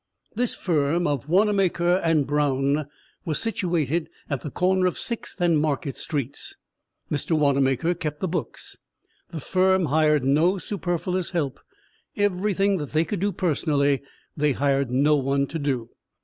This firm of Wannamaker & Brown was situated at the corner of Sixth and Market streets. Mr. Wannamaker kept the books the firm hired no superfluous help everything that they could do personally they hired no one to do.